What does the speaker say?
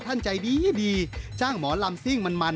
ท่านใจดีจ้างหมอลำซิ่งมัน